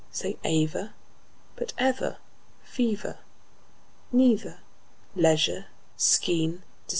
Say aver, but ever, fever, Neither, leisure, skein, receiver.